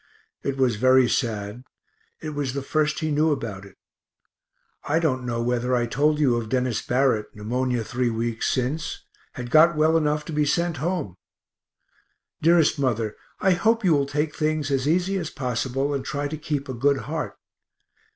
It was very sad; it was the first he knew about it. I don't know whether I told you of Dennis Barrett, pneumonia three weeks since, had got well enough to be sent home. Dearest Mother, I hope you will take things as easy as possible and try to keep a good heart.